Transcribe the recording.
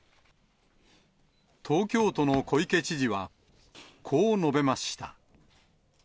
東京都の小池知事は、こう述べました。